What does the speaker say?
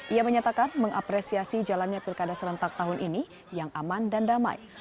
ia menyatakan mengapresiasi jalannya pilkada serentak tahun ini yang aman dan damai